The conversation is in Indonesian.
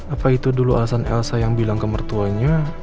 apa itu dulu alasan elsa yang bilang ke mertuanya